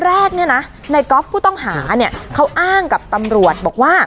แล้วก็ไปซ่อนไว้ในโครงเหล็กในคานหลังคาของโรงรถอีกทีนึง